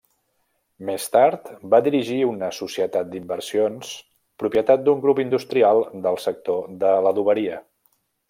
Més tard, va dirigir una societat d'inversions propietat d'un grup industrial del sector de l'adoberia.